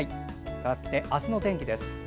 かわって、明日の天気です。